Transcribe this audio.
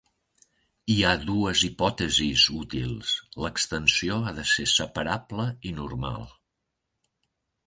Hi ha dues hipòtesis útils, l'extensió ha de ser separable i normal.